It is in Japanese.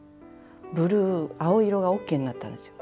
ブルー青色がＯＫになったんですよ。